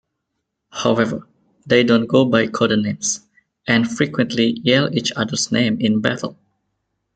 However, they don't go by codenames and frequently yell each other's names in battle.